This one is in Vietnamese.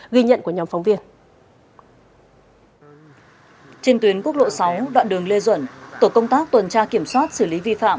trên tuyến quốc lộ sáu đoạn đường lê duẩn tổ công tác tuần tra kiểm soát xử lý vi phạm